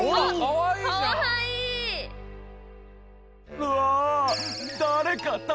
うわ！